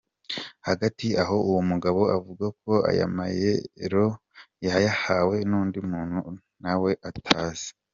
Hagati aho uwo mugabo avuga ko aya mayero yayahawe n’undi muntu nawe atazi.